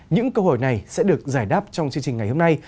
những câu hỏi này sẽ được giải đáp trong chương trình ngày hôm nay